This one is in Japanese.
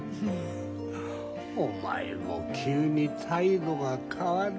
お前も急に態度が変わるなあ。